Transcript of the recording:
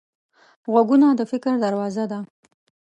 غوږونه د فکر دروازه ده